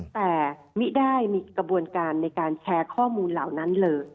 แต่มิได้มีกระบวนการในการแชร์ข้อมูลเหล่านั้นเลย